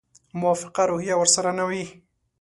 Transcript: موافقه روحیه ورسره نه وي.